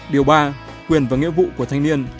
điều ba quyền và nghĩa vụ của thanh niên